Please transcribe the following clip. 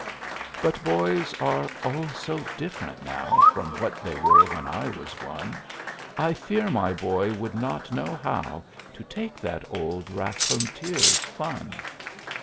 But boys are, oh! so different now From what they were when I was one! I fear my boy would not know how To take that old raconteur's fun!